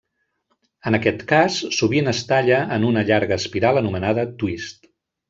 En aquest cas, sovint es talla en una llarga espiral anomenada twist.